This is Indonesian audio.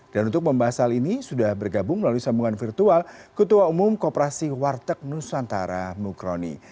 dan untuk membahas hal ini sudah bergabung melalui sambungan virtual ketua umum kooperasi warteg nusantara mukroni